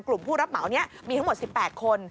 กลุ่มผู้รับเหมาร์นี้มีทั้งหมด๑๘คน